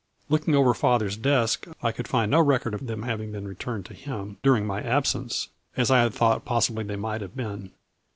Looking over father's desk, I could find no record of their having been returned to him, during my absence, as I had thought possibly they might have been.